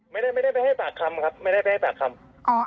ไม่ได้ไปให้ปากคำครับไม่ได้ไปให้ปากคำ